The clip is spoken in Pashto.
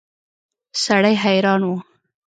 سړی حیران و.